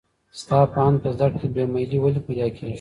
ستا په اند په زده کړه کې بې میلي ولې پیدا کېږي؟